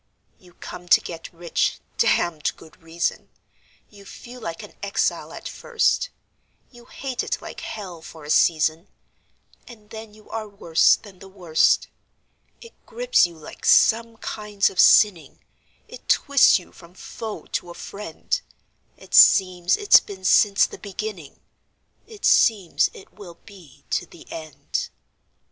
You come to get rich (damned good reason); You feel like an exile at first; You hate it like hell for a season, And then you are worse than the worst. It grips you like some kinds of sinning; It twists you from foe to a friend; It seems it's been since the beginning; It seems it will be to the end.